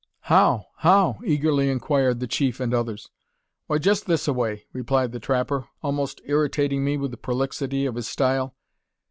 "How? how?" eagerly inquired the chief and others. "Why, jest this a way," replied the trapper, almost irritating me with the prolixity of his style.